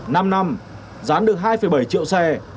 năm năm gián được hai bảy triệu xe